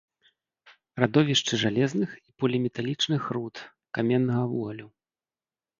Радовішчы жалезных і поліметалічных руд, каменнага вугалю.